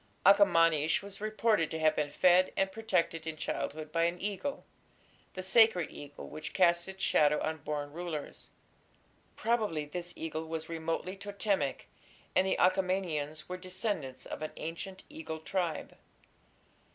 Akhamanish was reputed to have been fed and protected in childhood by an eagle the sacred eagle which cast its shadow on born rulers. Probably this eagle was remotely Totemic, and the Achaemenians were descendants of an ancient eagle tribe.